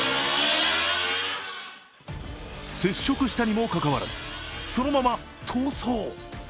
接触したにもかかわらずそのまま逃走。